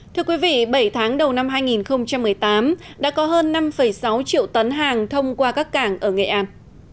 thưa quý vị bảy tháng đầu năm hai nghìn một mươi tám đã có hơn năm sáu triệu tấn hàng thông qua các cảng ở nghệ an